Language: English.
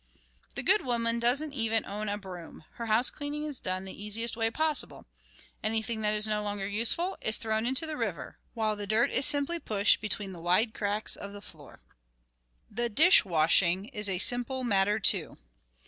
The good woman doesn't even own a broom. Her house cleaning is done in the easiest way possible. Anything that is no longer useful is thrown into the river, while the dirt is simply pushed between the wide cracks of the floor. The dish washing is a simple matter, too.